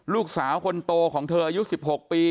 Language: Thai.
ลูกสาวคนโตของเธออายุ๑๖ปี